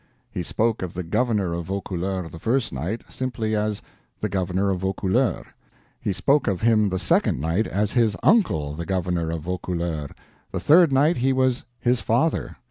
He spoke of the governor of Vaucouleurs, the first night, simply as the governor of Vaucouleurs; he spoke of him the second night as his uncle the governor of Vaucouleurs; the third night he was his father.